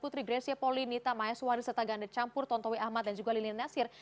putri grecia pauli nita maya suwari seta gandet campur tontowi ahmad dan juga lilin nasir